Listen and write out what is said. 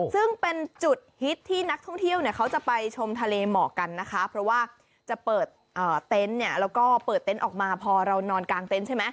ซึ่งเป็นจุดฮิตที่นักท่องเที่ยวเนี่ยเขาจะไปชมทะเลเหมาะกันนะคะเพราะว่าจะเปิดเต็นต์เนี่ยแล้วก็เปิดเต็นต์ออกมาพอเรานอนกลางเต็นต์ใช่ไหม